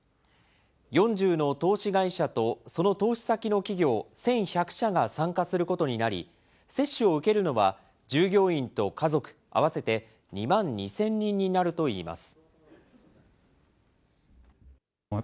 ４０の投資会社とその投資先の企業１１００社が参加することになり、接種を受けるのは従業員と家族合わせて２万２０００人になるといいます。